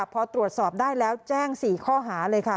พอตรวจสอบได้แล้วแจ้ง๔ข้อหาเลยค่ะ